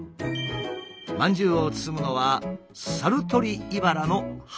まんじゅうを包むのはサルトリイバラの葉。